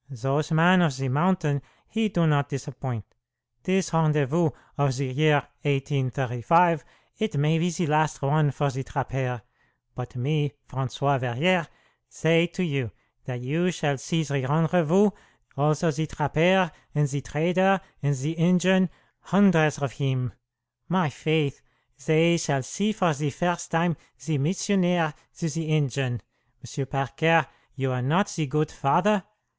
Those man of the mountain, he do not disappoint. This rendezvous of ze year 1835, it may be ze last one for ze trappaire. But me, François Verrier, say to you that you shall see ze rendezvous, also ze trappaire, and ze trader, and ze Injin hundreds of heem. My faith! Zay shall see for ze first time ze missionaire to ze Injin! M'sieu' Parker, you are not ze good father?